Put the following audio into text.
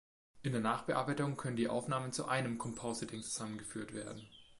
In der Nachbearbeitung können die Aufnahmen zu einem Compositing zusammengeführt werden.